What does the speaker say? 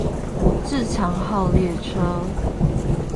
自強號列車